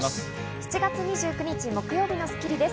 ７月２９日、木曜日の『スッキリ』です。